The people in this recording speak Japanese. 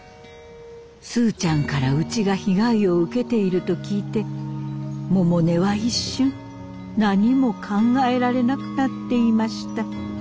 スーちゃんからうちが被害を受けていると聞いて百音は一瞬何も考えられなくなっていました。